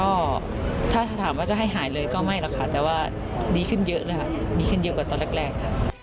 ก็ถ้าถามว่าจะให้หายเลยก็ไม่แต่ว่าดีขึ้นเยอะดีขึ้นเยอะกว่าตอนแรก